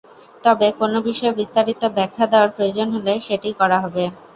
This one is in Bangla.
তবে কোনো বিষয়ে বিস্তারিত ব্যাখ্যা দেওয়ার প্রয়োজন হলে সেটি করা হবে।